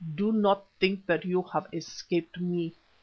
Do not think that you have escaped me.